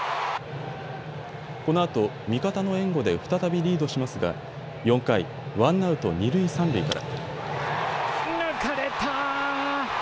このあと味方の援護で再びリードしますが４回、ワンアウト二塁三塁から。